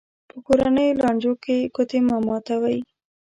په کورنیو لانجو کې ګوتې مه ماتوي.